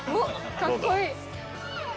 かっこいい。